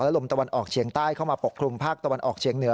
ลมตะวันออกเฉียงใต้เข้ามาปกคลุมภาคตะวันออกเฉียงเหนือ